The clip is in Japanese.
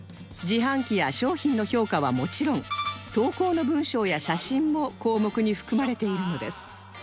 自販機や商品の評価はもちろん投稿の文章や写真も項目に含まれているのです